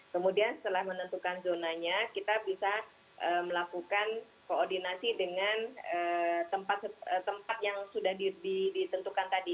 kemudian setelah menentukan zonanya kita bisa melakukan koordinasi dengan tempat yang sudah ditentukan tadi